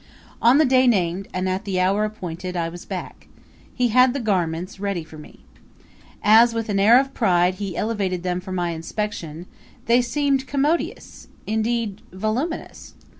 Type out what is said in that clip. On the day named and at the hour appointed I was back. He had the garments ready for me. As, with an air of pride, he elevated them for my inspection, they seemed commodious indeed, voluminous.